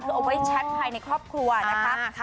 คือเอาไว้แชทภายในครอบครัวนะคะ